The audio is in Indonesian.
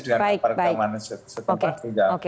dengan keamanan setempat tinggal